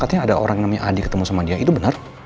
katanya ada orang namanya adik ketemu sama dia itu benar